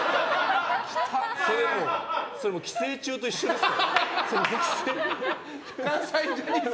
それ、寄生虫と一緒ですよ。